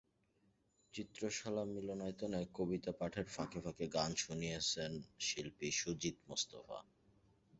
চিত্রশালা মিলনায়তনে কবিতা পাঠের ফাঁকে ফাঁকে গান শুনিয়েছেন শিল্পী সুজিত মোস্তফা।